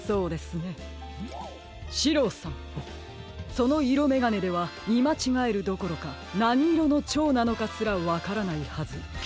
そのいろめがねではみまちがえるどころかなにいろのチョウなのかすらわからないはず。